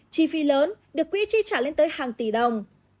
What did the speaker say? chi phí lớn được quỹ chi trả lên tới hàng tỷ đồng